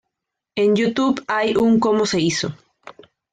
En Youtube hay un cómo se hizo.